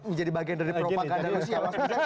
menjadi bagian dari propaganda rusia